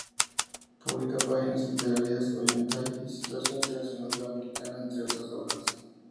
Publica Páginas literarias, Ollantay y Situación internacional sudamericana, entre otras obras.